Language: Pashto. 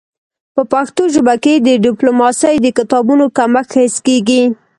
په پښتو ژبه کي د ډيپلوماسی د کتابونو کمښت حس کيږي.